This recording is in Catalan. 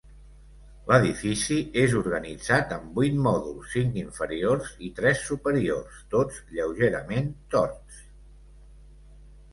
L'edifici és organitzat en vuit mòduls: cinc inferiors i tres superiors, tots lleugerament torts.